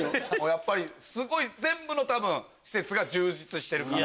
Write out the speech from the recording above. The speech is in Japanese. やっぱりすごい全部の施設が充実してるから。